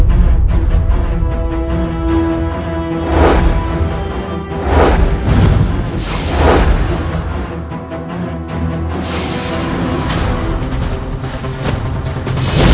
kau telah memasuki